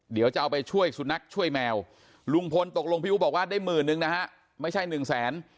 เดี๋ยวจะเอาไปช่วยสุนัขช่วยแมวลุงพลตกลงพี่อู๋บอกว่าได้หมื่นนึงนะฮะไม่ใช่หนึ่งแสน